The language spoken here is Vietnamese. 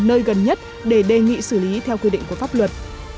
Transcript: nơi gần nhất để đề nghị xử lý theo quy định của pháp luật